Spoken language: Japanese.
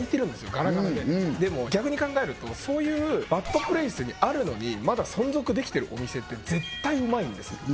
ガラガラででも逆に考えるとそういうバッドプレイスにあるのにまだ存続できてるお店って絶対うまいんですよ